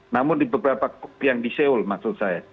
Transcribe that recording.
namun di beberapa yang di seoul maksud saya